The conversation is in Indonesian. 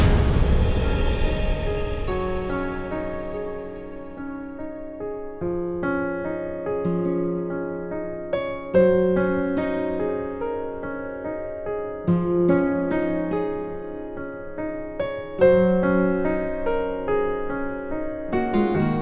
kita sakit dua dulu